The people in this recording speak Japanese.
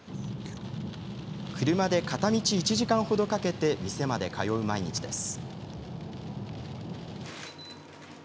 車で片道１時間ほどかけて店まで通う毎日です。